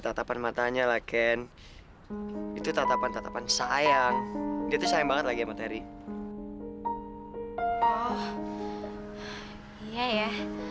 tatapan matanya lah ken itu tatapan tatapan sayang gitu sayang banget lagi materi oh iya ya